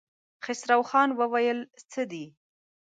خسرو خان وويل: څه دي؟